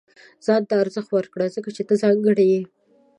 • ځان ته ارزښت ورکړه، ځکه چې ته ځانګړی یې.